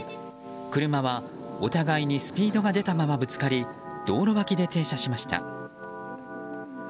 車はお互いにスピードが出たままぶつかり道路脇で停車しました。